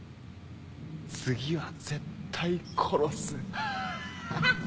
次は絶対殺す。